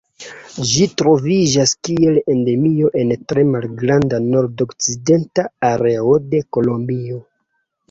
Ĝi troviĝas kiel endemio en tre malgranda nordokcidenta areo de Kolombio.